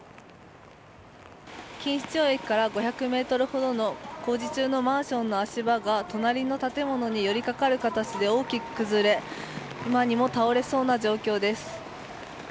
錦糸町駅から５００ｍほどの工事中のマンションの足場が隣の建物に寄り掛かる形で大きく崩れ今にも倒れそうな状況です。